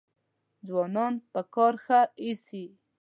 ځوانان په کار ښه ایسي.